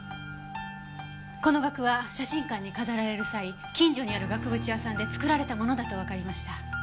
この額は写真館に飾られる際近所にある額縁屋さんで作られたものだとわかりました。